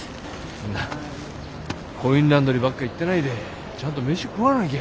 なコインランドリーばっか行ってないでちゃんと飯食わなきゃ。